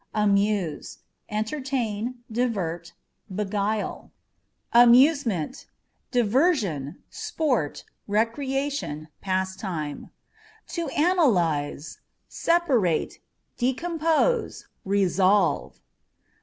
Amuse â€" entertain, divert ; beguile. 12 A^IUâ€" ANN. Amusement â€" diversion, sport, recreation, pastime. To Analyse â€" separate, decompose, resolve.